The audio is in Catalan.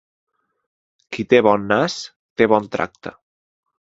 Qui té bon nas, té bon tracte.